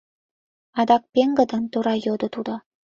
— адакат пеҥгыдын, тура йодо тудо.